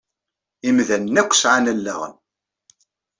Imdanen akk sɛan allaɣen.